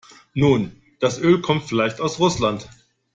Nun, das Öl kommt vielleicht aus Russland.